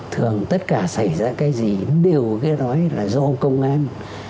thường tất cả xảy ra cái gì đều được nói là do công an